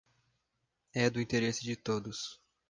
É do interesse de todos.